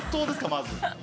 まず。